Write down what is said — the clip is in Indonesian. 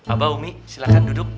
abah umi silakan duduk